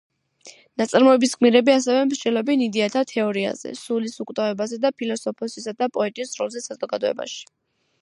ნაწარმოების გმირები ასევე მსჯელობენ იდეათა თეორიაზე, სულის უკვდავებაზე და ფილოსოფოსისა და პოეტის როლზე საზოგადოებაში.